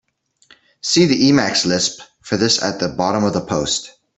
See the Emacs lisp for this at the bottom of the post.